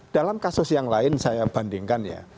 dalam kasus yang lain saya bandingkan ya